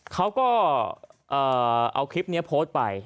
เขาก็เอาคลิปนี้โพสต์ไป